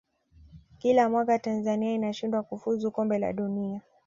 kila mwaka tanzania inashindwa kufuzu kombe la dunia